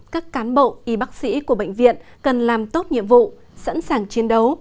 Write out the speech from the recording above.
các cán bộ y bác sĩ của bệnh viện cần làm tốt nhiệm vụ sẵn sàng chiến đấu